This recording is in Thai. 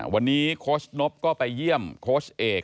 วันนี้โค้ชนบก็ไปเยี่ยมโค้ชเอก